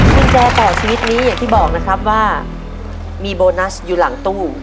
กุญแจต่อชีวิตนี้อย่างที่บอกนะครับว่ามีโบนัสอยู่หลังตู้